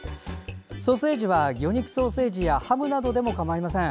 ソーセージは魚肉ソーセージやハムなどでも構いません。